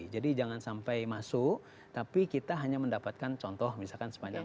jadi jangan sampai masuk tapi kita hanya mendapatkan contoh misalkan sepanjang